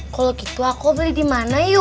kalau gitu aku beli di mana yuk